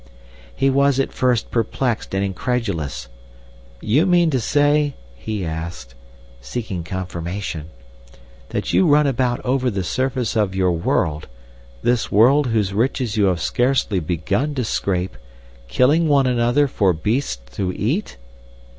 "He was at first perplexed and incredulous. 'You mean to say,' he asked, seeking confirmation, 'that you run about over the surface of your world—this world, whose riches you have scarcely begun to scrape—killing one another for beasts to eat?